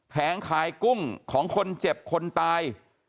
แผงขายกุ้งของคนเจ็บคนตาย